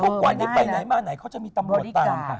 กว่านี้ไปไหนมาไหนเขาจะมีตำรวจตามค่ะ